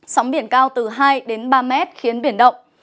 sóng biển cao từ hai đến ba mét khiến biển động